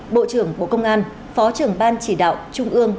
bộ trưởng bộ công an phó trưởng ban chỉ đạo trung ương